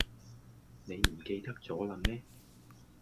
你唔記得咗啦咩?